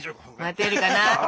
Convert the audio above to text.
待てるかな。